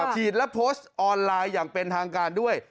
ฉีดและโพสต์ออนไลน์อย่างเป็นทางการด้วย